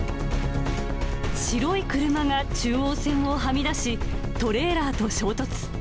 白い車が中央線をはみ出し、トレーラーと衝突。